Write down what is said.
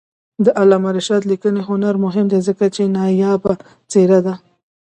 د علامه رشاد لیکنی هنر مهم دی ځکه چې نایابه څېره ده.